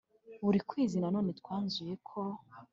buri kwezi none twanzuye ko